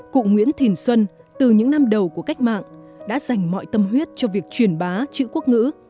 cụ nguyễn thìn xuân từ những năm đầu của cách mạng đã dành mọi tâm huyết cho việc truyền bá chữ quốc ngữ